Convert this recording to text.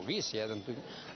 yang ideologis ya tentunya